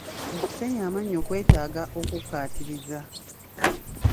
Okusenya amannyo kwetaaga okukkaatiriza.